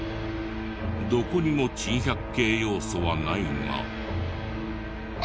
どこにも珍百景要素はないが。